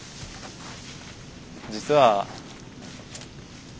実は。